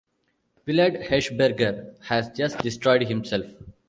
Willard Hershberger has just destroyed himself.